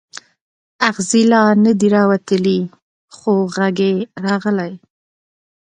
اغزی لا نه دی راوتلی خو غږ یې راغلی.